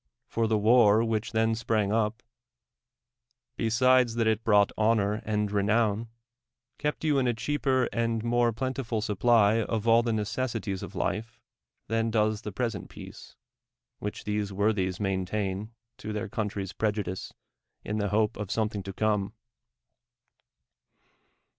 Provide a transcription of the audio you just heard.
For tln' wnr v/liidi then sprang up, l)(^sid(\s that it brought honor and renown, k'cpt you in a chr'aper and mon^ plenti ful sup])ly of all th(.' necessaries tA' life Hian does the present peace, which these wortliu^s main tain to their country's ]n'e.iu<!ie(^ i?) the hope of somethinLT to come.